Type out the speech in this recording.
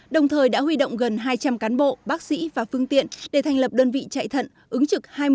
đồng thời đã huy động gần hai trăm linh cán bộ bác sĩ và phương tiện để thành lập đơn vị chạy thận ứng trực hai mươi bốn trên hai mươi bốn giờ